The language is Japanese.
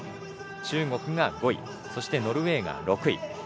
中国が５位、ノルウェーが６位。